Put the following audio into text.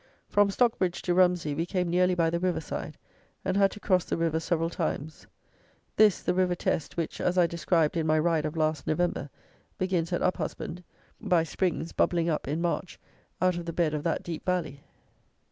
From Stockbridge to Rumsey we came nearly by the river side, and had to cross the river several times. This, the River Teste, which, as I described, in my Ride of last November, begins at Uphusband, by springs, bubbling up, in March, out of the bed of that deep valley.